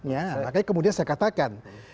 ya makanya kemudian saya katakan